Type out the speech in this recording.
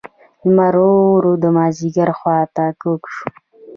لمر ورو ورو د مازیګر خوا ته کږ شو.